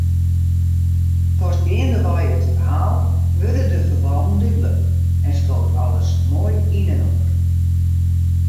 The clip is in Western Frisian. Pas geandewei it ferhaal wurde de ferbannen dúdlik en skoot alles moai yninoar.